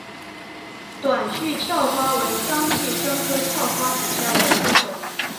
短序鞘花为桑寄生科鞘花属下的一个种。